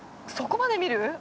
そこまで見る？